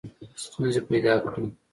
ستونزي پیدا کړې.